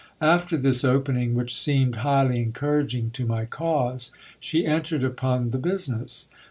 After this opening, which seemed highly encouraging to my cause, she entered upon the business.